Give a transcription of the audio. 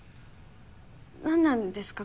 何なんですか？